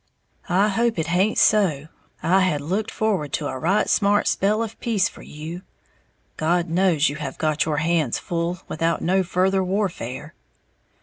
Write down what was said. I hope it haint so, I had looked forward to a right smart spell of peace for you, God knows you have got your hands full, without no further warfare."